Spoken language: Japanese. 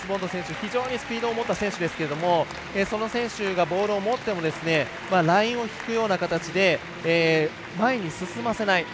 非常にスピードを持った選手ですけれどもその選手がボールを持ってもラインを引くような形で前に進ませない。